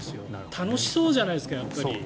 楽しそうじゃないですかやっぱり。